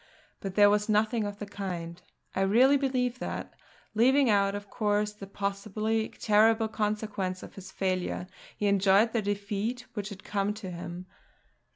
But there was nothing of the kind; I really believe that, leaving out of course the possibly terrible consequences of his failure, he enjoyed the defeat which had come to him.